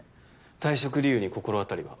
退職理由に心当たりは？